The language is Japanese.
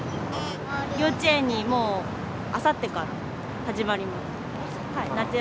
幼稚園にもう、あさってから始まります。